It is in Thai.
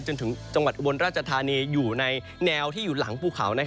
จนถึงจังหวัดอุบลราชธานีอยู่ในแนวที่อยู่หลังภูเขา